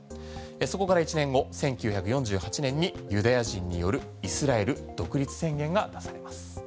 そこから１年後１９４８年にユダヤ人によるイスラエル独立宣言が出されます。